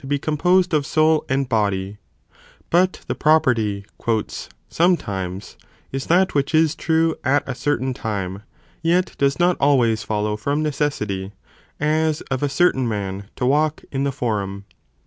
be composed of soul and body, but the property "sometimes" is that which is true at a certain time, yet does not always follow from necessity, as of a certain man to walk in the Forum.